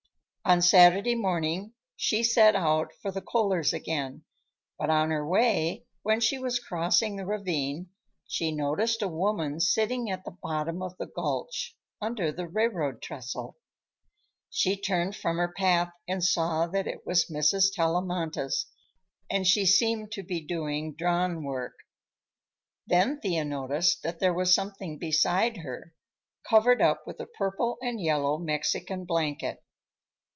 On Saturday morning she set out for the Kohlers' again, but on her way, when she was crossing the ravine, she noticed a woman sitting at the bottom of the gulch, under the railroad trestle. She turned from her path and saw that it was Mrs. Tellamantez, and she seemed to be doing drawn work. Then Thea noticed that there was something beside her, covered up with a purple and yellow Mexican blanket.